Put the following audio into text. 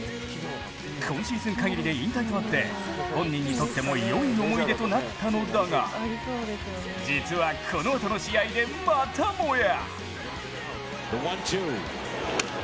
今シーズンかぎりで引退となって、本人にとっても良い思い出となったのですが実は、このあとの試合でまたもや